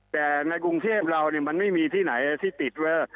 แต่ในกรุงเทพเรามันไม่มีที่ไหนที่ติดไว้